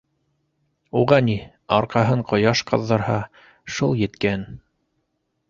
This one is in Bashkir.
Уға ни, арҡаһын ҡояш ҡыҙҙырһа, шул еткән.